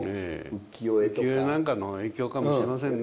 浮世絵なんかの影響かもしれませんね。